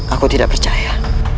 aku tidak percaya